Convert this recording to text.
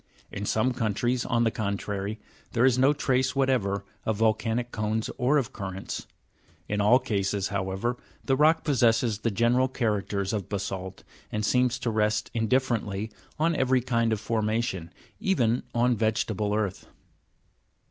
In some countries, on the contrary ,'there is no trace whatever of volcanic cones or of currents. In all cases, however, the rock possesses the general characters of basa'it, and seems to rest indifferently on every kind of formation, even on vegeta ble earth.